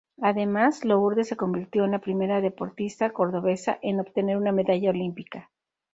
Además, Lourdes se convirtió en la primera deportista cordobesa en obtener una medalla olímpica.